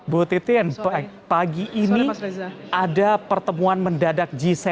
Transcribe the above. bu titin pagi ini ada pertemuan mendadak g tujuh